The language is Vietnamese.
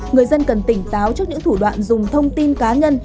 người dân cần tỉnh táo trước những thủ đoạn dùng thông tin cá nhân